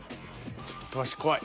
ちょっとワシ怖い。